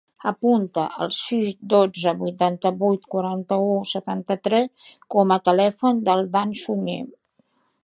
Apunta el sis, dotze, vuitanta-vuit, quaranta-u, setanta-tres com a telèfon del Dan Suñe.